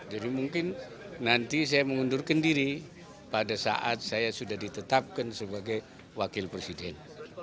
jadi mungkin nanti saya mengundurkan diri pada saat saya sudah ditetapkan sebagai wakil presiden